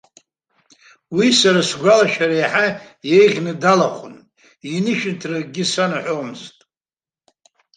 Уи сара сгәалашәара еиҳа еиӷьны далахәын, инышәынҭра акгьы санаҳәомызт.